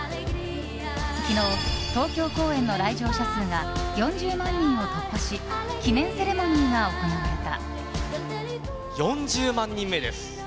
昨日、東京公演の来場者数が４０万人を突破し記念セレモニーが行われた。